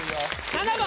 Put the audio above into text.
７番。